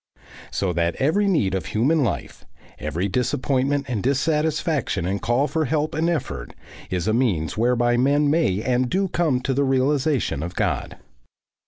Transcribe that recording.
So that every need of human life, every disappointment and dissatisfaction and call for help and effort, is a means whereby men may and do come to the realisation of God.